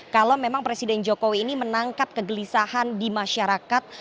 kalau memang presiden jokowi ini menangkap kegelisahan di masyarakat